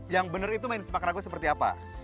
yang benar itu main sipak ragu seperti apa